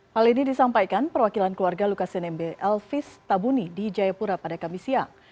hal ini disampaikan perwakilan keluarga lukas nmb elvis tabuni di jayapura pada kamis siang